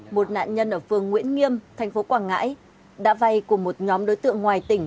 một nạn nhân ở phương nguyễn nghiêm tp quảng ngãi đã vay cùng một nhóm đối tượng ngoài tỉnh